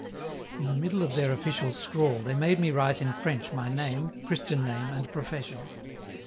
In the middle of their official scrawl, they made me write in French my name, Christian name, and profession.